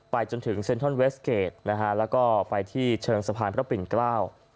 จนถึงเซ็นทรัลเวสเกจนะฮะแล้วก็ไปที่เชิงสะพานพระปิ่นเกล้า